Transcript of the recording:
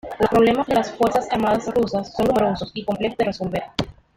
Los problemas de las fuerzas armadas rusas son numerosos y complejos de resolver.